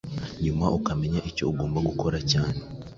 nyuma ukamenya icyo ugomba gukora cyane